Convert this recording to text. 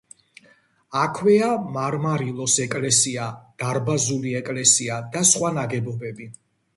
აქვეა „მარმარილოს“ ეკლესია, დარბაზული ეკლესია და სხვა ნაგებობები.